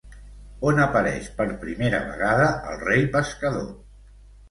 On apareix per primera vegada el rei pescador?